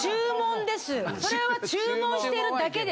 それは注文してるだけです。